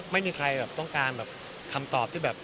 ไม่มีใครต้องรับคำตอบ